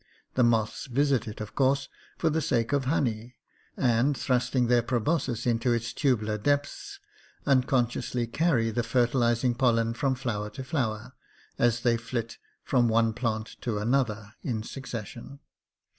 The moths visit it, of course, for the sake of honey, and, thrusting their pro boscis into its tubular depths, unconsciously carry the fertilizing PRICKLY PEARS. 227 pollen from flower to flower, as they flit from one plant to another in succession.